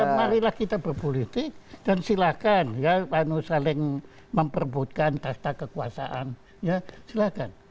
nah marilah kita berpolitik dan silakan ya manusia yang memperbutkan kata kekuasaan ya silakan